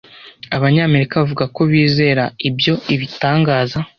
Abanyamerika bavuga ko bizera ibyo Ibitangaza